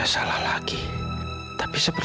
kalau nggak sopan